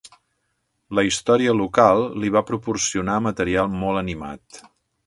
La història local li va proporcionar material molt animat.